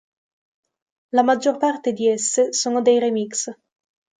La maggior parte di esse sono dei remix.